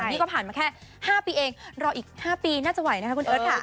นี่ก็ผ่านมาแค่๕ปีเองรออีก๕ปีน่าจะไหวนะคะคุณเอิร์ทค่ะ